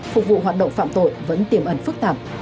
phục vụ hoạt động phạm tội vẫn tiềm ẩn phức tạp